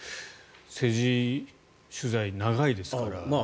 政治取材、長いですから。